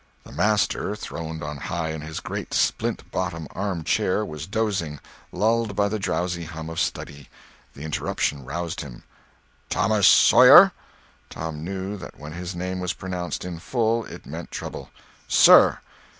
The master, throned on high in his great splint bottom arm chair, was dozing, lulled by the drowsy hum of study. The interruption roused him. "Thomas Sawyer!" Tom knew that when his name was pronounced in full, it meant trouble. "Sir!"